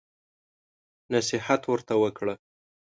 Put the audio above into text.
نصيحت ورته وکړه.